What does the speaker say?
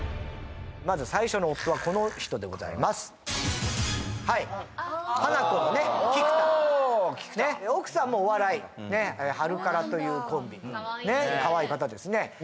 まず最初の夫はこの人でございますハナコのね菊田奥さんもお笑いハルカラというコンビかわいい方ですね